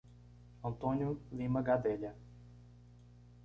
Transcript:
Antônio Lima Gadelha